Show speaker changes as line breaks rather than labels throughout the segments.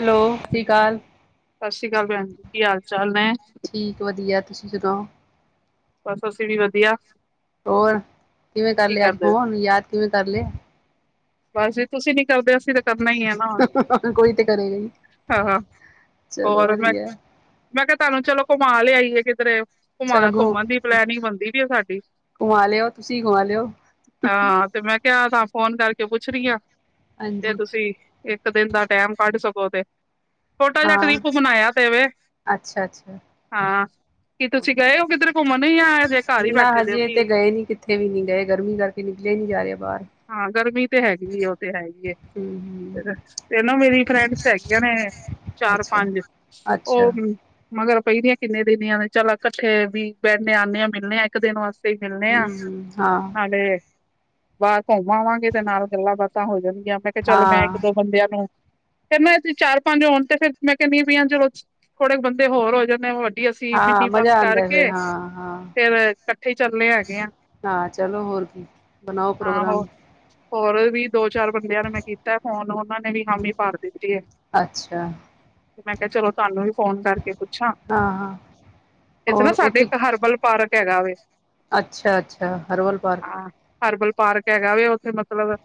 Hello ਸਤਿ ਸ਼੍ਰੀ ਅਕਾਲ
ਸਤਿ ਸ੍ਰੀ ਅਕਾਲ ਭੈਣ ਜੀ ਕੀ ਹਾਲ ਚਾਲ ਨੇ
ਤੁਸੀ ਸੁਣਾਓ
ਬਸ ਅਸੀਂ ਵੀ ਵਧੀਆ
ਹੋਰ ਕਿਵੇਂ ਕਰ
ਕੀ
ਲਿਆ ਅੱਜ
ਕਰਦੇ
ਫੋਨ ਕਿਵੇਂ ਕਰ ਲਿਆ
ਬਸ ਜੀ ਤੁਸੀਂ ਨੀ ਕਰਦੇ ਅਸੀਂ [unintelligible] ਨਈ ਏ ਨਾ,
ਕੋਈ ਤੇ ਕਰੇਗਾ ਹੀ
ਹਾਂ ਹਾਂ
ਚਲੋ
ਹੋਰ ਮੈਂ
ਵਧੀਆ
ਮੈਂ ਕਿਹਾ ਤੁਹਾਨੂੰ ਚਲੋ ਘੁੰਮਾ ਲਿਆਈਏ [unintelligible] ਘੁੰਮਾ
ਚਲੋ ਘੁ
ਘੁੰਮਨ ਦੀ ਪਲੈਨਿੰਗ ਬਨਦੀ ਪਈ ਏ ਸਾਡੀ,
ਘੁਮਾ ਲਿਓ ਤੁਸੀਂ ਘੁਮਾ ਲਿਓ
ਹਾਂ ਤੇ ਮੈਂ ਕਿਹਾ ਫੋਨ ਕਰਕੇ [unintelligible] ਪੁੱਛ ਰਹੀ ਆ ਤੇ
ਹਾਂਜੀ
ਤੁਸੀਂ ਇੱਕ ਦਿਨ ਦਾ ਟੈਮ ਕੱਢ ਸਕੋ ਤੇ ਛੋਟਾ ਜਿਹਾ
ਹਾਂ
ਟ੍ਰਿਪ ਬਨਾਇਆ ਤੇ ਵੇ,
ਅੱਛਾ ਅੱਛਾ
ਹਾਂ। ਕੀ ਤੁਸੀਂ ਗਏ ਹੋ ਕਿਧਰ ਘੁੰਮਣ ਜਾਂ ਹਜੇ ਘਰ ਹੀ
ਨਾ
ਬੈਠੇ ਦੇ ਹੋ
ਹਜੇ
ਕੀ
ਤੇ ਗਏ ਨੀ ਕਿੱਥੇ ਵੀ ਨੀ ਗਏ ਗਰਮੀ ਕਰਕੇ ਨਿਕਲੇ ਨੀ ਜਾ ਰਿਹਾ ਬਾਹਰ
ਹਾਂ ਗਰਮੀ ਤੇ ਹੈਗੀ ਏ ਉਹ ਤੇ ਹੈਈ ਏ,
ਹਮ ਹਮ
ਫੇਰ ਨਾ ਮੇਰੀ ਫਰੈਂਡਸ ਹੈਗੀਆਂ ਨੇ ਚਾਰ
ਅੱਛਾ
ਪੰਜ,
ਅੱਛਾ
ਉਹ ਮਗਰ ਪਈ ਦੀਆਂ ਕਿੰਨੇ ਦਿਨ ਦੀ ਆ ਨੇ ਚੱਲੋ ਕੱਠੇ ਵੀ ਬੈਨੇ ਆਂਨੇ ਆ ਮਿਲਨੇ ਆ ਇੱਕ ਦਿਨ ਵਾਸ ਮਿਲਨੇ
ਹਮ
ਆ
ਹਮ ਹਾਂ
ਨਾਲੇ ਬਾਹਰ ਘੁੰਮ ਆਵਾਂਗੇ ਤੇ ਨਾਲ ਗੱਲਾਂ ਬਾਤਾਂ ਹੋ ਜਾਣ ਗੀਆਂ ਮੈਂ ਕਿਹਾ ਚਲ ਮੈਂ
ਹਾਂ
ਇੱਕ ਦੋ ਬੰਦਿਆਂ ਨੂੰ ਫਿਰ ਨਾ ਅਸੀਂ ਚਾਰ ਪੰਜ ਹੋਣ ਤੇ ਫੇਰ ਮੈਂ ਕਹਿੰਨੀ ਆ ਵੀ [unintelligible] ਥੋੜੇ ਬੰਦੇ ਹੋਰ ਹੋ ਜਾਂਨੇ
ਹਾਂ ਮਜ਼ਾ ਆਂਦਾ ਫੇਰ ਹਾਂ ਹਾਂ
ਫੇਰ ਇਕੱਠੇ ਚੱਲੇ ਹੈਗੇ ਆ
ਹਾਂ ਚਲੋ ਹੋਰ ਕੀ ਬਨਾਓ
ਆਹੋ
ਪ੍ਰੋਗਰਾਮ,
ਹੋਰ ਵੀ ਦੋ ਚਾਰ ਬੰਦਿਆਂ ਨੂੰ ਮੈਂ ਕੀਤੇ ਫੋਨ ਉਹਨਾਂ ਨੇ ਵੀ ਹਾਮੀ ਭਰ ਦਿੱਤੀ ਏ,
ਅੱਛਾ,
ਤੇ ਮੈਂ ਕਿਹਾ ਚਲੋ ਤੁਹਾਨੂੰ ਵੀ ਫੋਨ ਕਰਕੇ ਕੇ ਪੁੱਛਾਂ
ਹਾਂ ਹਾਂ
ਏਥੇ ਨਾ
ਹੋਰ
ਸਾਡੇ
ਉੱਥੇ
ਇੱਕ ਹਰਬਲ ਪਾਰਕ, ਹੈਗਾ ਵੇ
ਅੱਛਾ ਅੱਛਾ ਹਰਵਲ ਪਾਰਕ
ਹਾਂ ਹਰਬਲ ਪਾਰਕ ਹੈਗਾ ਵੇ ਉੱਥੇ ਮਤਲਬ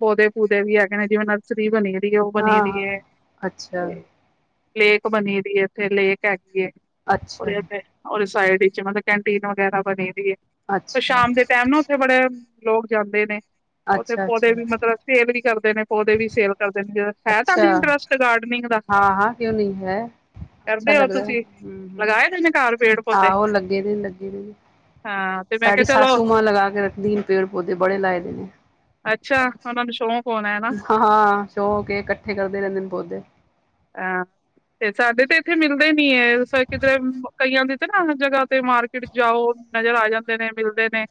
ਪੌਦੇ ਪੂਦੇ ਵੀ ਹੈਗੇ ਨੇ ਜਿਵੇਂ ਨਰਸਰੀ ਬਣੀ ਆ
ਹਾਂ ਹਾਂ ਅੱਛਾ
ਲੇਕ ਬਣੀ ਦੀ ਏ ਓਥੇ ਲੇਕ ਹੈਗੀ ਏ
ਅੱਛਾ
[unintelligible] ਸਾਈਡ ਚ ਮਤਲਬ ਕੈਂਟੀਨ ਵਗੈਰਾ ਬਣੀ ਦੀ ਏ ਪਰ
ਅੱਛਾ
ਸ਼ਾਮ ਦੇ ਟਾਈਮ ਨਾ ਉੱਥੇ ਬੜੇ ਲੋਕ ਜਾਂਦੇ ਨੇ ਉੱਥੇ
ਅੱਛਾ
ਪੌਦੇ
ਅੱਛਾ
ਵੀ ਮਤਲਬ ਸੇਵ ਨੀ ਕਰਦੇ ਨੇ ਪੌਦੇ ਵੀ ਸੇਵ ਕਰਦੇ ਨੇ ਜਿ [unintelligible] ਹੈ
ਅੱਛਾ
ਤਾਨੂੰ ਇੰਟਰਸਟ ਗਾਰਡਨਿੰਗ ਦਾ
ਹਾਂ ਹਾਂ ਕਿਉਂ ਨਹੀਂ ਹੈ ਅੱਛਾ
ਕਰਦੇ ੳ
ਲੱਗਦਾ ਹਮ
ਤੁਸੀਂ?
ਹਮ
ਲਗਾਏ ਦੇ ਨੇ ਘਰ ਪੇੜ ਪੌਦੇ?
ਆਹੋ ਲੱਗੇ ਦੇ ਲੱਗੇ ਦੇ ਨੇ,
ਹਾਂ ਤੇ ਮੈਂ ਕਿਹਾ
ਸਾਡੀ
ਚਲੋ
ਸਾਸੂ ਮਾਂ ਲਗਾ ਕੇ ਰੱਖਦੀ ਨ ਪੇ
ਅੱਛਾ ਓਨਾਂ ਨੂੰ ਸ਼ੌਕ
ਹਂ ਹਾਂ, ਹਾਂ ਸ਼ੋਕ ਏ, ਕੱਠੇ ਕਰਦੇ ਰੈਂਦੇ ਨੇ ਪੋਦੇ।
ਹਾਂ, ਤੇ ਸਾਡੇ ਤੇ ਏਥੇ ਮਿਲਦੇ ਨੇ [unintelligible] ਨੂੰ ਜਗ੍ਹਾ ਤੇ ਮਾਰਕੀਟ ਜਾਓ ਨਜ਼ਰ ਆ ਜਾਂਦੇ ਨੇ ਮਿਲਦੇ ਨੇ।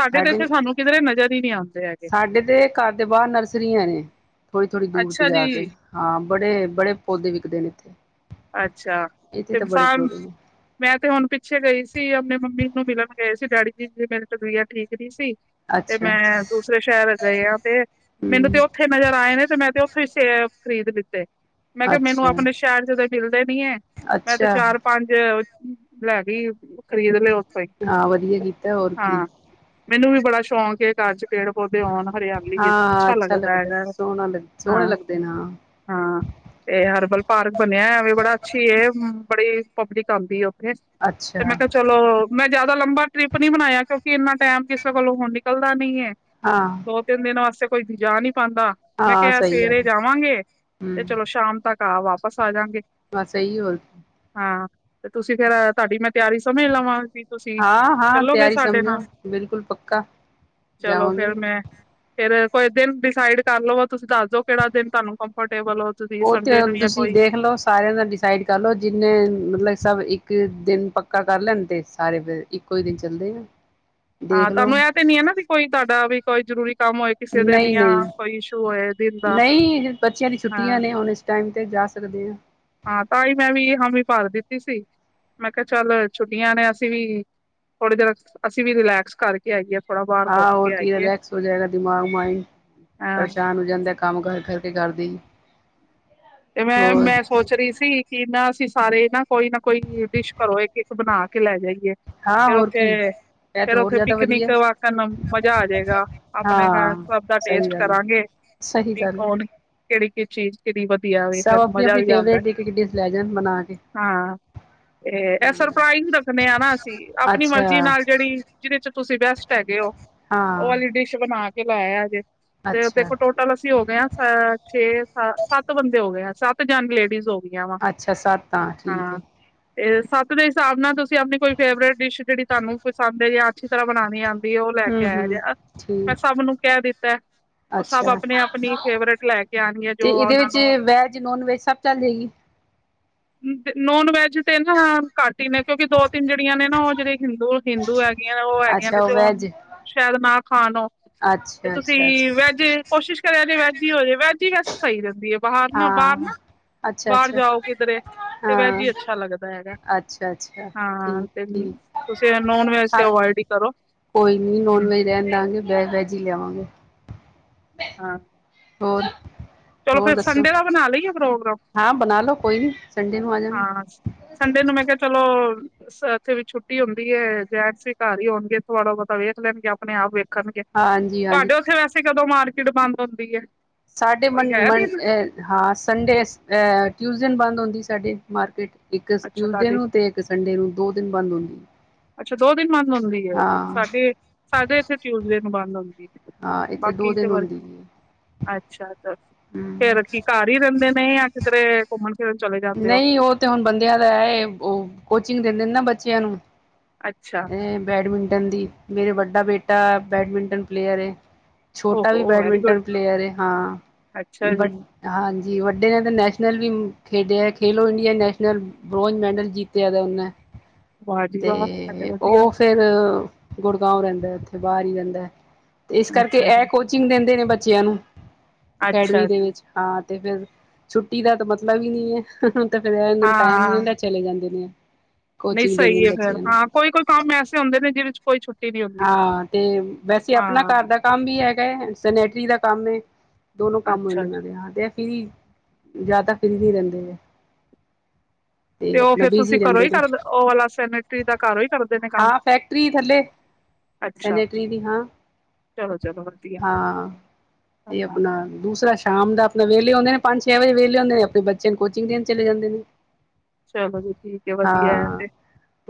ਸਾਡੇ ਤੇ ਏਥੇ ਸਾਨੂੰ ਕਿਦਰੇ ਨਜਰ ਤਿਨ ਈ ਆ।
ਸਾਡੇ ਤੇ ਘਰ ਦੇ ਬਾਰ ਨਰਸਰੀਆਂ ਨੇ ਥੋੜੀ-ਥੋੜੀ ਦੂਰ ਤੇ
ਅੱਛਾ ਜੀ।
ਜਾ ਕੇ, ਹਾਂ ਬੜੇ ਬੜੇ ਪੌਦੇ ਵਿਕਦੇ ਨੇ ਏਥੇ।
ਅੱਛਾ, ਇਨਸਾਨ
ਨੇ
ਮੈਂ ਤੇ ਹੁਣ ਪਿੱਛੇ ਗਈ ਅਸੀ ਆਪਣੇ ਮੰਮੀ ਨੂੰ ਮਿਲਣ ਗਏ ਸੀ ਡੈਡੀ ਜੀ ਮੇਰੇ ਦੀ ਤਬੀਅਤ ਠੀਕ ਨਹੀਂ ਸੀ। ਤੇ
ਅੱਛਾ ਅੱਛਾ
ਮੈਂ ਦੂਸਰੇ ਸ਼ਹਿਰ ਗਏ ਆ ਤੇ ਮੈਨੂੰ
ਹਮ
ਤੇ ਉੱਥੇ ਨਜ਼ਰ ਆਏ ਨੇ ਤੇ ਮੈਂ ਤੇ ਉੱਥੇ ਹੀ ਖਰੀਦ ਦਿੱਤੇ। ਮੈਂ ਕਿਹਾ ਮੈਨੂੰ
ਅੱਛਾ
ਆਪਣੇ ਸ਼ਹਿਰ ਚ ਮਿਲਦੇ ਨੀ ਹੈ, ਮੈਂ ਤੇ
ਅੱਛਾ
ਚਾਰ ਪੰਜ [unintelligible]
ਹਾਂ ਵਧੀਆ ਕੀਤਾ ਹੋਰ ਕੀ।
ਹਾਂ, ਮੈਨੂੰ ਵੀ ਬੜਾ ਸ਼ੌਕ ਏ ਘਰ ਚ ਪੇੜ ਪੌਦੇ ਹੋਣ। ਹਰਿਆਲੀ ਵੀ
ਹਾਂ
ਅੱਛਾ ਲੱਗਦਾ ਹੈਗਾ
ਸੋਹਣਾ ਲੱਗ ਸੋਹਣੇ
ਹਾਂ,
ਲੱਗਦੇ ਨੇ ਹਾਂ
ਹਾਂ ਤੇ ਹਰਬਲ ਪਾਰਕ ਬਣਿਆ ਹੈ। ਬੜਾ ਅੱਛੀ ਏ ਬੜੀ ਪਬਲਿਕ ਆਉਂਦੀ ਉਹ ਤੇ
ਅੱਛਾ
ਮੈਂ ਕਿਹਾ ਚਲੋ ਮੈਂ ਜਿਆਦਾ ਲੰਬਾਂ ਟ੍ਰਿਪ ਨੀ ਬਣਾਇਆ ਕਿਉਂਕਿ ਇੰਨਾ ਟਾਈਮ ਕਿਸੇ ਕੋਲੋਂ ਹੁਣ ਨਿਕਲਦਾ ਨੀ ਹੈ।
ਹਾਂ
ਦੋ ਤਿੰਨ ਦਿਨ ਵਾਸਤੇ ਕੋਈ ਜਾ ਨੀ ਪਾਦਾ, ਮੈਂ
ਹਾਂ
ਕਿਹਾ
ਸਹੀ
ਸਵੇਰੇ
ਗੱਲ
ਜਾਵਾਂਗੇ ਤੇ
ਹਮ
ਚਲੋ ਸ਼ਾਮ ਤੱਕ ਘਰ ਵਾਪਸ ਆ ਜਾਵਾਗੇ।
ਬਸ ਸਹੀ ਹੋਰ।
ਹਾਂ ਤੇ ਤੁਸੀਂ ਫੇਰ ਤੁਹਾਡੀ ਮੈਂ ਤਿਆਰੀ ਸਮਝ ਲਵਾਂਗੀ।
ਹਾਂ-ਹਾਂ ਤਿਆਰੀ ਸਮਝੋ ਬਿਲਕੁਲ ਪੱਕਾ, ਜਾਵਾਂਗੇ
ਕੋ ਦਿਨ ਡਿਸਾਈਡ ਕਰ ਲੋ ਤੁਸੀਂ ਦੱਸ ਦੋ ਕਿਹੜਾ ਦਿਨ ਤੁਹਾਨੂੰ ਕੰਫਰਟ
ਉਹ ਤੇ ਤੁਸੀਂ ਦੇਖਲੋ ਸਾਰਿਆਂ ਦਾ ਡਿਸ ਸਾਈਡ ਕਰ ਲਓ ਜਿੰਨੇ ਮਤਲਬ ਸਭ ਇੱਕ ਦਿਨ ਪੱਕਾ ਕਰ ਲੈਣ, ਤੇ ਸਾਰੇ ਫਿਰ ਇੱਕੋ ਹੀ ਦਿਨ ਚੱਲਦੇ ਆ।
ਹਾਂ,
ਦੇਖ ਲਓ
ਤੁਹਾਨੂੰ ਇਹ ਤੇ ਨੀ ਹੈ ਨਾ ਵੀ ਕੋਈ ਤੁਹਾਡਾ ਵੀ ਕੋਈ ਜ਼ਰੂਰੀ ਕੰਮ ਹੋਏ ਕਿਸੇ ਦਿਨ
ਨਹੀਂ,
ਜਾਂ
ਨਹੀਂ,
ਕੋਈ ਇਸ਼ੂ ਹੋਏ ਦਿਨ ਦਾ
ਨਹੀਂ ਬੱਚਿਆਂ ਦੀ ਛੁੱਟੀਆਂ
ਹਾਂ
ਨੇ ਹੁਣ ਇਸ ਟਾਈਮ ਜਾ ਸਕਦੇ ਹੇ
ਹਾਂ, ਤਾਂ ਹੀ ਮੈਂ ਵੀ ਹਾਮੀ ਭਰ ਦਿੱਤੀ ਸੀ ਮੈਂ ਕਿਹਾ ਚੱਲ ਛੁੱਟੀਆਂ ਨੇ ਅਸੀਂ ਵੀ ਥੋੜੀ ਦੇਰ, ਅਸੀਂ ਵੀ ਰਿਲੈਕਸ ਕਰਕੇ ਆਈਏ ਥੋੜਾ ਬਾਹਰ
ਹਾਂ
ਘੁੰਮ ਕੇ
ਹੋਰ ਕੀ
ਆਈਏ
ਰਿਲੈਕਸ ਹੋ ਜਾਏਗਾ ਦਿਮਾਗ, ਮਾਇੰਡ
ਹਾਂ
ਪਰੇਸ਼ਾਨ ਹੋ ਜਾਂਦਾ ਕੰਮ ਕਰ ਕਰਕੇ ਕਰਦੀ
ਤੇ ਮੈਂ, ਮੈਂ ਸੋਚ ਰਹੀ ਸੀ ਕਿ ਨਾ ਅਸੀਂ ਸਾਰੇ ਨਾ ਕੋਈ ਨਾ ਕੋਈ ਡਿਸ਼ ਘਰੋ, ਇੱਕ-ਇੱਕ ਬਣਾ ਕੇ ਲੈ ਜਾਈ
ਹਾਂ
ਫਿਰ
ਹੋਰ ਕੀ
ਉੱਥੇ,
ਇਹ ਤੇ
ਫਿਰ
ਹੋਰ
ਉੱਥੇ
ਜ਼ਿਆਦਾ ਵਧੀਆ
ਪਿਕਨਿਕ ਵਾਕਨ ਮਜ਼ਾ ਆ ਜਾਏਗਾ ਆਪਣੇ ਘਰ
ਹਾਂ
ਸਭ ਦਾ
ਸਹੀ
ਟੇਸਟ
ਗੱਲ ਹੈ।
ਕਰਾਂਗੇ
ਸਹੀ
ਵੀ
ਗੱਲ
ਕੌਣ ਕਿਹੜੀ ਕਿ ਚੀਜ਼ ਕਿਹੜੀ ਵਧ
ਸਭ ਆਪਣੀ ਆਪਣੀ ਫੇਵਰੇਟ ਡਿਸ਼ ਲੈ ਜਾਣ ਬਣਾ ਕੇ
ਹਾਂ ਤੇ ਇਹ
ਹਾਂ
ਸਰਪ੍ਰਾਈਜ਼ ਰੱਖਣੇ ਆ ਨਾ ਅਸੀਂ ਆਪਣੀ
ਅੱਛਾ
ਮਰਜ਼ੀ ਨਾਲ ਜਿਹੜੀ ਜਿਹਦੇ ਚ ਤੁਸੀਂ ਬੈਸਟ ਹੈਗੇ ਹੋ ਉਹ
ਹਾਂ
ਵਾਲੀ ਡਿਸ਼ ਬਣਾ ਕੇ ਲੈ ਆਇਆ ਜੇ ਜੈਏ
ਅੱਛਾ
ਦੇਖੋ ਟੋਟਲ ਅਸੀਂ ਹੋ ਗਏ ਹਾਂ ਸ ਛੇ ਹਾਂ, ਸੱਤ ਸੱਤ ਬੰਦੇ ਹੋ ਗਏ ਆ ਸੱਤ ਜਨ ਲੇਡੀਜ਼ ਹੋ ਗਏ
ਅੱਛਾ, ਸੱਤ ਆ ਠੀਕ ਏ
ਤੇ ਸੱਤ ਦੇ ਹਿਸਾਬ ਨਾਲ ਤੁ ਆਪਣੀ ਕੋਈ ਫੇਵਰੇਟ ਡਿਸ਼ ਜਿਹੜੀ ਤੁਹਾਨੂੰ ਪਸੰਦ ਹੈ ਜਾਂ ਅੱਛੀ ਤਰ੍ਹਾਂ ਬਣਾਣੀ ਆਦੀ ਉਹ ਲੈ
ਹੂੰ
ਕੇ ਆਇਆ
ਹੂੰ
ਜਹਾ ਮੈਂ
ਠੀਕ
ਸਭ ਨੂੰ ਕਹਿ ਦਿੱਤਾ ਉਹ ਸਭ
ਅੱਛਾ
ਆਪਣੀ ਆਪਣੀ ਫੇਵਰੇਟ ਲੈ ਕੇ ਆਉਣੀਆਂ
ਤੇ
ਜੋ
ਇਹਦੇ
ਉਹਨਾਂ ਨੂੰ
ਵਿੱਚ ਵੈਜ, ਨੋਨ -ਵੈਜ ਸਭ ਚੱਲ ਜਾਏਗੀ
ਨੋਨ- ਵੈਜ ਤੇ ਨਾ ਘੱਟ ਨੇ ਕਿਉਂਕਿ ਦੋ ਤਿੰਨ ਜਿਹੜੀਆਂ ਨੇ ਨਾ ਉਹ ਜਿਹੜੇ ਹਿੰਦੂ ਹਿੰਦੂ ਹੈਗੀਆਂ ਨੇ ਉਹ ਹੈਗੀਆਂ ਨੇ
ਅੱਛਾ
ਤੇ ਉਹ
ਵੈਜ
ਸ਼ਾਇਦ ਨਾ ਹਾਂ ਤੇ
ਅੱਛਾ
ਤੁਸੀਂ
ਅੱਛਾ ਅੱਛਾ
ਵੈਜ ਕੋਸ਼ਿਸ਼ ਕਰਿਆ ਜੇ ਵੈਜ ਜੀ ਹੋਜੇ ਵੈਜ ਹੀ ਵੈਸੇ ਸਈ ਰਹਿੰਦੀ ਏ
ਹਾਂ ਅੱਛਾ, ਅੱਛਾ
ਜਾਓ ਕਿਧਰੇ ਤੇ ਵੈਜ
ਹਾਂ
ਹੀ ਅੱਛਾ ਲੱਗਦਾ ਹੈਗਾ
ਅੱਛਾ, ਅੱਛਾ
ਹਾਂ
ਠੀਕ,
ਤੇ
ਠੀਕ
ਤੁਸੀਂ ਨੋਨ ਵੈਜ ਤੇ
ਹ
ਅਵੋਇਡ ਹੀ ਕਰੋ
ਕੋਈ ਨੀ ਨੋਨ
ਹੂੰ
ਵੈਜ ਰਹਿਣ ਦਾਂਗੇ ਵ ਵੈਜ ਹੀ ਲਿਆਵਾਂਗੇ
ਹਾਂ
ਹੋਰ
ਚਲੋ
ਹੋਰ
ਫਿਰ
ਦੱਸੋ
ਸੰਡੇ ਦਾ ਬਣਾ ਲਈਏ ਪ੍ਰੋਗਰਾਮ
ਹਾਂ। ਬਣਾ ਲੋੋ ਕੋਈ ਨੀ
ਹਾਂ, ਸੰਡੇ ਨੂੰ ਮੈਂ ਕਿਹਾ ਚਲੋ ਇੱਥੇ ਵੀ ਛੁੱਟੀ ਹੁੰਦੀ ਹੈ। ਜੈਸ ਵਿ ਘਰ ਹੀ ਹੋਣਗੇ ਥੋੜਾ ਬਹੁਤਾ ਵੇਖ ਲੈਣਗੇ ਆਪਣੇ ਆਪ ਵੇਖ ਕਰਨਗੇ
ਹਾਂਜੀ ਹਾਂਜੀ
ਤੁਹਾਡੇ ਉੱਥੇ ਵੈਸੇ ਕਦੋਂ ਮਾਰ ਕੇ ਮਾਰਕੀਟ ਬੰਦ ਹੁੰਦੀ ਹੈ
ਸਾਡੇ
ਕੋਈ ਹੈ ਦਿਨ
ਹਾਂ ਸੰਡੇ ਅ ਟਿਊਜ਼ਡੇ ਬੰਦ ਹੁੰਦੀ ਸਾਡੇ ਮਾਰਕੀਟ ਇੱਕ
ਅੱਛਾ
ਟਿਊਸਡੇ
ਤੁਹਾਡੇ
ਨੂੰ ਤੇ ਇੱਕ ਸੰਡੇ ਨੂੰ ਦੋ ਦਿਨ ਬੰਦ ਹੁੰਦੇ
ਅੱਛਾ ਦੋ ਦਿਨ ਬਦ ਹੁੰਦੀ ਹੈ
ਹਾਂ
ਸਾਡੇ ਸਾਡੇ ਇੱਥੇ ਟਿਊਸਡੇ ਨੂੰ ਬੰਦ ਹੁੰਦੀ ਹੈ
ਹਾਂ ਇੱਥੇ ਦੋ ਦਿਨ ਹੁੰਦੀ ਹੀ
ਅ ਫੇਰ ਕੀ ਘਰ ਹੀ ਰਹਿੰਦੇ ਨੇ ਜਾਂ ਕਿਸਧਰੇ ਘੁੰਮਣ ਫਿਰਨ ਚਲੇ ਜਾਂਦੇ ਹੋ
ਨਹੀਂ ਉਹ ਤੇ ਹੁਣ ਬੰਦਿਆਂ ਦਾ ਹੈ ਉਹ ਕੋਚਿੰਗ ਦਿੰਦੇ ਨੇ ਨਾ ਬਚ ਚੇਆ ਨੂ
ਅੱਛਾ
ਬੈਡਮਿੰਟ ਦੀ ਮੇਰੇ ਵੱਡਾ ਬੇਟਾ ਬੈਡਮਿੰਟਨ ਪਲੇਅਰ ਹੈ ਛੋਟਾ ਵੀ
ਓਹੋ ਵੈਰੀ ਗੁੱਡ
ਬੈਡਮਿੰਟਨ ਪਲੇਅਰ ਏ ਹਾਂ
ਅੱਛਾ ਜੀ
ਹਾਂਜੀ ਵੱਡੇ ਨੇ ਤਾਂ ਨੈਸ਼ਨ ਨਲ ਵੀ ਖੇਡਿਆ Khelo India national bronze medal ਜਿੱਤਿਆ ਉਹਨੇ
ਵਾਹ ਜੀ ਵਾਹ
ਤੇ
ਵਧੀਆ
ਉਹ ਫੇਰ ਗੁੜਗਾਵ ਰਹਿੰਦੇ ਉਥੇ ਅਤੇ ਬਾਹਰ ਹੀ ਰਹਿਦਾ ਹੈ ਤੇ ਇਸ ਕਰਕੇ
ਅੱਛਾ
ਇਹ
ਜੀ,
ਕੋਚਿੰਗ ਦਿੰਦੇ ਨੇ ਬੱਚੇ ਬੱਚਿਆਂ ਨੂੰ ਅਕੈਡਮੀ
ਅੱਛਾ
ਦੇ
ਜੀ,
ਵਿੱਚ ਹਾਂ ਤੇ ਫਿਰ ਛੁੱਟੀ ਦਾ ਤਾਂ ਮਤਲਬ ਵੀ ਨਹੀਂ ਹੈ ਫਿਰ ਇਹਨਾ ਨੂੰ ਟਾਈਮ ਨੀ
ਹਾਂ।
ਹੁੰਦਾ ਚਲੇ ਜਾਂਦੇ ਨੇ
ਨਹੀਂ
ਕੋਚਿੰਗ ਦੇਣੀ
ਸਹੀ ਹੈ ਫੇਰ
ਬੱਚਿਆਂ ਨੂੰ
ਹਾਂ ਕੋਈ ਕੋਈ ਕੰਮ ਐਸੇ ਹੁੰਦੇ ਨੇ ਜਿਹ ਕੋਈ ਛੂਟ
ਹਾਂ ਤੇ ਵੈਸੇ ਆਪਣਾ ਘਰ ਦਾ ਕੰਮ ਵੀ ਹੈ ਸੈਨੇਟਰੀ ਦਾ ਕੰਮ ਦੋਨੋ ਕੰਮ ਹੋ
ਅੱਛਾ
ਜਾਦੇ
ਜੀ,
ਨੇ ਏਹ ਫਰੀ ਜ਼ਿਆਦਾ ਬਿਜੀ ਰਹਿੰਦੇ ਨੇ
ਤੇ ਉਹ ਫੇਰ ਤੁਸੀਂ ਘਰੋਂ ਹੀ ਕਰਦੇ ਉਹ ਵਾਲਾ ਸੈਨੇਟਰੀ ਦਾ ਘਰੋਂ ਹੀ ਕਰਦੇ ਨੇ ਕੰਮ
ਹਾਂ ਫੈਕਟਰੀ ਥੱਲੇ
ਅੱਛਾ
ਸੈਨੇਟਰੀ ਦੀ ਹਾਂ
ਚਲੋ-ਚਲੋ ਵਧੀਆ
ਹਾਂ ਤੇ
ਹਾਂ
ਆਪਣਾ ਦੂਸ ਥੋੜਾ ਸ਼ਾਮ ਦਾ ਆਪਣਾ ਵਿਹਲੇ ਹੁੰਦੇ ਨੇ ਪੰਜ ਛੇ ਵਜੇ ਵਿਹਲੇ ਹੁੰਦੇ ਨੇ ਆਪਣੇ ਬੱਚਿਆਂ ਨੂੰ ਕੋਚਿੰਗ ਦੇਣ ਚਲੇ ਜਾਂਦੇ ਨ
ਚਲੋ ਜੀ ਠੀਕ ਹੈ ਵਧੀਆ ਹੈ ਤੇ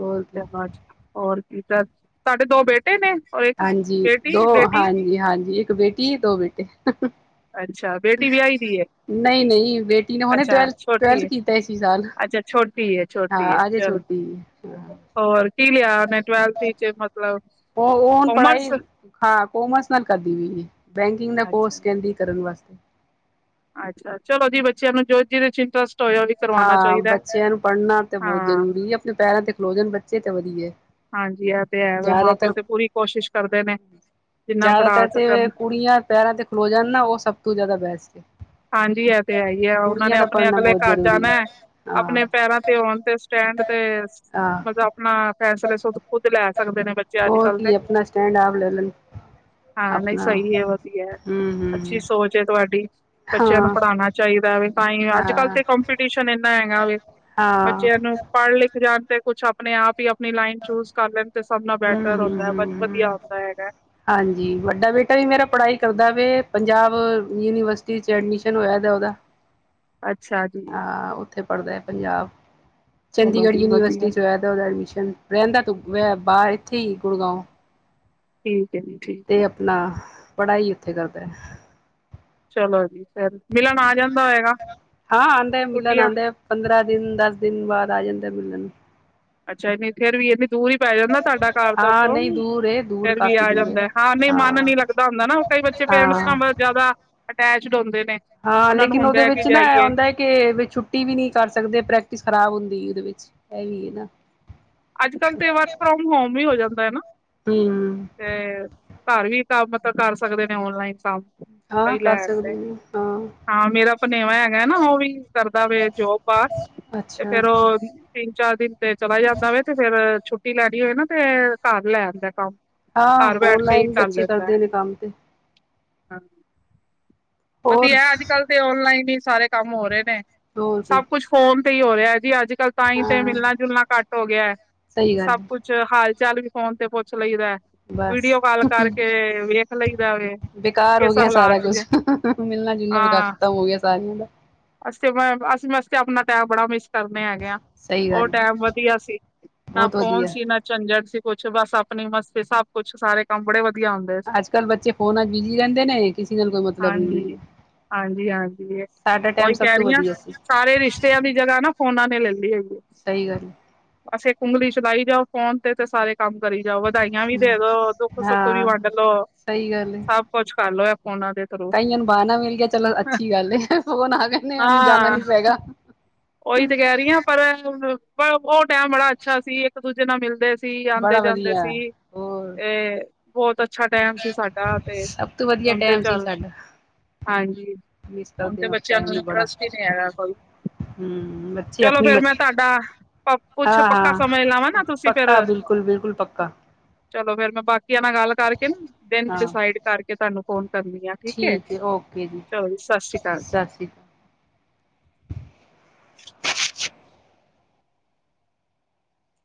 ਹੋਰ ਕੀ
ਚ ਹੋਰ ਠੀਕ ਏ ਤੁਹਾਡੇ ਦੋ ਬੇਟੇ ਨੇ ਔਰ ਇੱਕ
ਹਾਂਜੀ ਦੋ
ਬੇਟੀ ਬੇਟੀ
ਹਾਂਜੀ ਹਾਂਜੀ ਇੱਕ ਬੇਟੀ ਦੋ ਬੇਟੇ
ਅੱਛਾ ਬੇਟੀ ਵਿਆਹੀ ਦੀ ਏ
ਨਹੀਂ ਨਹੀਂ ਬੇਟੀ ਨੇ ਹੁਨੇ
ਅੱਛਾ
ਟਵੈਲਥ
ਛੋਟੀ
ਟਵੈਲਥ
ਏ
ਕੀਤਾ ਐਸੀ ਸਾਲ
ਅੱਛਾ ਛੋਟੀ ਏ ਛੋਟੀ ਏ
ਹਾਂ ਅਜੇ
ਚਲੋ
ਛੋਟੀ
ਹੋਰ ਕੀ ਲਿਆ ਟਵੇਲਥ ਮਤਲਬ
ਉਹ ਉਹ ਹੁਣ
ਕੋਮਰਸ
ਪੜ੍ਹਾਈ ਹਾਂ ਕੋਮਰਸ ਨਾਲ ਕਰਦੀ ਵੀ ਹੈ ਬੈਂਕਿੰਗ ਦਾ
ਅੱਛਾ
ਕੋਰਸ ਕਹਿੰਦੀ ਕਰਨ ਵਾਸਤੇ
ਅੱਛਾ ਚਲੋ ਜੀ ਬੱਚਿਆਂ ਨੂੰ ਜੋ ਜਿਹਦੇ ਇੰਟਰਸਟ ਹੋਏ ਉਹ ਵੀ ਕਰਵਾਉਣਾ
ਹਾਂ
ਚਾਹੀਦਾ ਹੈ
ਬੱਚਿਆਂ ਨੂੰ ਪੜ੍ਹਨਾ ਤਾਂ ਬਹੁਤ
ਹਾਂ
ਜ਼ਰੂਰੀ ਆਪਣੇ ਪੈਰਾਂ ਤੇ ਖਲੋ ਜਾਣੇ ਬੱਚ ਚੇ ਤਾਂ ਵਧੀਏ
ਹਾਂਜੀ ਇਹ ਤੇ ਹੈ ਮਾਂ ਪਿਓ
ਜ਼ਿਆਦਾਤਰ
ਤੇ ਪੂਰੀ ਕੋਸ਼ਿਸ਼ ਕਰਦੇ ਨੇ ਜਿੰਨਾ ਪੜ੍ਹਾ
ਜ਼ਿਆਦਾਤਰ ਤੇ
ਸਕਣ
ਕੁੜੀਆਂ ਪੈਰਾਂ ਤੇ ਖਲੋ ਜਾਣ ਨਾ ਉਹ ਸਭ ਤੋਂ ਜ਼ਿਆਦਾ ਬੈਸਟ ਤੇ
ਹਾਂਜੀ ਇਹ ਤੇ ਹੈ ਹੀ ਆ ਉਹਨਾਂ ਨੇ ਆਪਣੇ
ਪੜ੍ਹਨਾ
ਅਗਲੇ
ਬਹੁਤ
ਘਰ
ਜ਼ਰੂਰੀ
ਜਾਣਾ ਹੈ
ਹਾਂ
ਆਪਣੇ ਪੈਰਾਂ ਤੇ ਹੋਣ ਤੇ ਸਟੈਂਡ ਤੇ
ਹਾਂ
ਮਤਲਬ ਆਪਣਾ ਫੈਸਲੇ ਸ਼ੂ ਕੁਝ ਸਕਦੇ ਨੇ ਬੱਚੇ ਅੱਜ
ਹੋਰ
ਕੱਲ ਦੇ
ਕੀ ਆਪਣਾ ਸਟੈਂਡ ਆਪ ਲੈ ਲੈਣ
ਹਾਂ ਨਹੀਂ
ਆਪਣਾ
ਸਹੀ ਹੈ ਵਧੀਆ
ਹੂੰ
ਅੱਛੀ
ਹੂੰ
ਸੋਚ ਹੈ ਤੁਹਾਡੀ। ਬੱਚਿਆਂ ਨੂੰ
ਹਾਂ
ਪੜ੍ਹਾਉਣਾ ਚਾਹੀਦਾ ਵ ਤਾਂ ਹੀ ਅੱਜ ਕੱਲ
ਹਾਂ
ਤੇ ਕੰੋਂਪੀਟੀਸ਼ਨ ਏਨਾ ਹੈਗਾ ਵੀ
ਹਾਂ
ਬੱਚਿਆਂ ਨੂੰ ਪੜ੍ਹ ਲਿਖ ਜਾਣ ਤੇ ਕੁਛ ਆਪਣੇ ਆਪ ਹੀ ਆਪਣੀ ਲਾਈਨ ਚੂਸ ਕਰ ਲੈਂਦੇ
ਹੂ ਹੂ ਹੂ
ਹੈਗਾ
ਹਾਂਜੀ ਵੱਡਾ ਬੇਟਾ ਵੀ ਮੇਰਾ ਪੜ੍ਹਾਈ ਕਰਦਾ ਵੇ ਪੰਜਾਬ ਯੂਨੀਵਰਸਿਟੀ ਚ ਐਡਮਿਸ਼ਨ ਹੋਇਆ ਉਹਦਾ।
ਅੱਛਾ ਜੀ।
ਹਾਂ ਉੱਥੇ ਪੜ੍ਹਦਾ ਹੈ ਪੰਜਾਬ
ਚਲੋ
ਚੰਡੀਗੜ੍ਹ
ਜੀ
ਯੂਨੀਵਸਿਟੀ
ਵਧੀਆ
ਹੋਇਆ ਉਹਦਾ ਐਡਮਿਸ਼ਨ ਰਹਿੰਦਾ ਤੂੰ ਵੈ ਬਾਹ ਇੱਥੇ ਹੀ ਗੁੜਗਾਓ
ਹਮ
ਤੇ ਆਪਣਾ ਪੜ੍ਹਾਈ ਉੱਥੇ ਕਰਦਾ ਹੈ।
ਚਲੋ ਜੀ। ਫਿਰ ਮਿਲਣ ਆ ਜਾਂਦਾ ਹੋਏਗਾ
ਹਾਂ ਆਉਂਦੇ ਮਿਲਣ
ਛੁੱਟੀਆਂ
ਆਉਂਦੇ ਪੰਦਰਾਂ ਦਿਨ ਦਸ ਦਿਨ ਬਾਅਦ ਆ ਜਾਂਦੇ। [unintelligible]
ਅੱਛਾ ਇਹ ਨਹੀਂ ਫੇਰ ਵੀ ਇਹਨੀ, ਦੂਰ ਹੀ ਪੈ ਜਾਂਦਾ ਤੁਹਾਡਾ ਕਾਰਵ ਤੇ
ਹਾਂ
ਉੱਥੋਂ
ਨਹੀਂ ਦੂਰ ਏ ਦੂਰ
ਫਿਰ ਵੀ
ਕਾਫ਼ੀ
ਆ
ਦੂਰ ਏ
ਜਾਂਦਾ ਹਾਂ ਨਹੀਂ ਮਨ ਨੀ ਲੱਗਦਾ ਹੁੰਦਾ ਨਾ ਕਈ ਬੱਚੇ ਪੇਰੈਂਟਸ
ਹਾਂ
ਨਾਲ ਜ਼ਿਆਦਾ ਪੈਚਡਉਂਦੇ ਨੇ,
ਹਾਂ
ਉਹਨਾਂ ਨੂੰ
ਲੇਕਿਨ
ਹੁੰਦਾ
ਉਹਦੇ
ਹੈ ਕਿ
ਵਿੱਚ ਨਾ ਇਹ
ਜਾਈਏ
ਹੁੰਦਾ ਕਿ ਛੁੱਟੀ ਵੀ ਨਹੀਂ ਕਰ ਸਕਦੇ ਪ੍ਰੈਕਟਿਸ ਖਰਾਬ ਹੁੰਦੀ ਐਂ। ਵਿੱਚ ਇਹ ਵੀ ਹੈ ਨਾ,
ਅੱਜ-ਕੱਲ੍ਹ ਤੇ ਵਰਕ ਫਰੋਮ ਹੋਮ ਹੀ ਹੋ ਜਾਂਦਾ ਹੈ ਨਾ
ਹਮ
ਤੇ, ਘਰ ਵੀ ਤਾਂ ਮਤਲਬ ਕਰ ਸਕਦੇ ਨੇ ਔਨਲਾਈਨ ਕੰਮ
ਹਾਂ
ਸਹੀ
ਕਰ
ਲੈਣ ਤੇ
ਸਕਦੇ ਨੇ
ਹਾਂ ਮੇਰਾ ਭਨੇਵਾ ਹੈਗਾ ਨਾ ਉਹ ਵੀ ਕਰਦਾ। [unintelligible] ਬਾਹਰ ਤੇ
ਅੱਛਾ
ਫੇਰ ਉਹ ਤਿੰਨ ਚਾਰ ਦਿਨ ਤੇ ਚਲਾ ਜਾਂਦਾ ਵ ਛੁੱਟੀ ਲੈਣੀ ਹੋਏ ਨਾ ਤੇ ਘਰ ਲੈ ਆਂਦਾ। ਕੰਮ
ਹਾਂ
ਘਰ
ਹੋਰ
ਬੈਠ ਕੇ ਹੀ
ਲਾਈਨ
ਕਰ
ਬੱਚੇ
ਲੈਂਦਾ
ਕਰਦੇ ਨੇ ਕੰਮ ਤੇ,
ਹਾਂ,
ਹੋਰ
ਵਧੀਆ ਅੱਜ-ਕੱਲ੍ਹ ਤੇ ਔਨਲਾਈਨ ਈ ਸਾਰੇ, ਕੰਮ ਹੋ ਰਹੇ ਨੇ,
ਹੋਰ ਕੀ
ਸਭ ਕੁਛ ਹੋਮ ਸਹੀ ਹੋ ਰਿਹਾ ਜੀ ਅੱਜ ਲ ਤਾਂਹੀ ਤੇ
ਹਾਂ
ਮਿਲਣਾ ਜੁਲਣਾ ਘੱਟ ਹੋ ਗਿਆ
ਸਹੀ ਗੱਲ
ਸਭ
ਹੈ
ਕੁਛ ਹਾਲ, ਚੱਲ ਵੀ ਫੋਨ ਤੇ ਪੁੱਛ ਲਈਦਾ। ਵੀਡੀਓ
ਬਸ
ਕਾਲ ਕਰਕੇ ਵੇਖ ਲਈ ਦਾ ਵੇ
ਬੇਕਾਰ ਹੋ
ਕਿਸ
ਗਿਆ ਸਾਰਾ
ਹਾਲਾਤ ਚ
ਕੁਛ ਮਿਲਣਾ ਜਿੰਨਾ ਵਿਕਾਸ਼ਤਾ ਹੋਇਆ ਸਾਰੀਆਂ, [unintelligible]
ਅਸੀ ਤੇ ਮੈਂ ਅਸੀਂ ਵਸਤੇ ਆਪਣਾ ਟੈਮ ਬੜਾ ਮਿਸ ਕਰਨੇ ਹੈਗੇ ਆ
ਸਹੀ
ਉਹ
ਗੱਲ ਹੈ
ਟੈਮ ਵਧੀਆ ਸੀ ਨਾ
ਬਹੁਤ
ਫੋਨ
ਵਧੀਆ
ਸੀ ਨਾ ਝੰਜਟ ਸੀ। ਕੁੱਛ ਬਸ ਆਪਣੀ ਮਸਤੇ ਸਭ ਕੁੱਛ ਸਾਰੇ ਕੰਮ ਬੜੇ ਵ
ਅੱਜ-ਕੱਲ੍ਹ ਬੱਚੇ ਫੋਨ ਬਿਜੀ ਰਹਿੰਦੇ ਨੇ ਕਿਸੇ ਨਾਲ ਕੋਈ ਮਤਲਬ ਨ
ਹਾਂਜੀ, ਹਾਂਜੀ, ਹਾਂਜੀ
ਸੱਠ ਅੱਠ
ਉਹੀ ਕਹਿ ਰਹੀਆਂ ਸਾਰੇ ਰਿਸ਼ਤਿਆਂ ਦੀ ਜਗ੍ਹਾ ਨਾ ਫੋਨਾ ਨੇ ਲੈ ਲਈ ਹੋਈ ਐ
ਸਹੀ ਗੱਲ ਹੈ।
ਬਸ ਇਕ ਓਗਲੀ ਚਲਾਈ ਜਾਓ। ਫੋਨ ਤੇ ਸਾਰੇ ਕੰਮ ਕਰੀ ਜਾਓ ਵਧਾਈਆਂ ਵੀ ਦੇ ਦੋ ਦੁੱਖ-ਸੁੱਖ ਵੀ
ਹਾਂ
ਵੰਡ ਲੋੋ ਸਭ ਕੁਛ ਕਰਲੋ।
ਕਹੀਆਂ ਨੂੰ ਬਾਹਨਾ ਮਿਲ ਗਿਆ ਚਲੋ ਅੱਛੀ ਗੱਲ, ਫੋਨ ਆ ਕਹਦੇ ਉਹਨੂੰ ਜਾਣਾ
ਹਾਂ
ਨੀ ਪਏਗਾ।
ਉਹੀ ਤੇ ਕਹਿ ਰਹੀ ਹਾਂ ਪਰ ਹੁਣ, ਪਰ ਉਹ ਟਾਈਮ ਬੜਾ ਅੱਛਾ ਸੀ ਇੱਕ ਦੂਜੇ ਨਾਲ ਮਿਲਦੇ ਸੀ। ਸੀ ਆਦੇ
ਬੜਾ
ਜਾਂਦੇ
ਵਧੀਆ
ਸੀ
ਹੋਰ
ਤੇ ਬਹੁਤ ਅੱਛਾ ਟਾਈਮ ਸੀ ਸਾਡਾ ਤੇ
ਸਭ ਤੋਂ ਵਧੀਆ
ਹੁਣ ਤੇ
ਟਾਈਮ ਸੀ
ਚੱਲ
ਸਾਡਾ।
ਹਾਂਜੀ
ਮਿਸ
ਹੁਣ ਤੇ
ਕਰਦੇ ਆ ਉਸ
ਬੱਚਿਆਂ
ਟਾਈਮ
ਨੂੰ
ਬੜਾ
ਇੰਟਰਸਟ ਹੀ ਨੀ ਹੈਗਾ ਕੋਈ।
ਹੂੰ ਬੱਚੇ
ਚਲੋ
ਆਪਣੀ
ਫੇਰ ਮੈਂ ਤੁਹਾਡਾ ਆ ਕੁਛ
ਹਾਂ
ਪੱਕਾ ਸਮਝ ਲਾਵਾਂ ਨਾ
ਹਾਂ
ਤੁਸੀਂ ਫੇਰ,
ਪੱਕਾ ਬਿਲਕੁਲ ਬਿਲਕੁਲ ਪੱਕਾ
ਚਲੋ ਫੇਰ ਮੈਂ ਬਾਕੀਆਂ ਨਾਲ ਗੱਲ ਕਰਕੇ ਨਾ ਦਿਨ
ਹਾਂ
ਡਿਸਾਈਡ ਕਰਕੇ ਤੁਹਾਨੂੰ ਫੋਨ ਕਰਨੀ ਆ ਠੀਕ ਹੈ ਚਲੋ ਜੀ ਸਤਿ ਸ੍ਰੀ ਅਕਾਲ ਜੀ
ਸਤਿ ਸ਼੍ਰੀ ਅਕਾਲ।